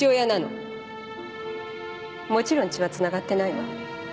もちろん血はつながってないわ。